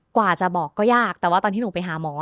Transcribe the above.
กว่าจะบอกก็ยากแต่ว่าตอนที่หนูไปหาหมอ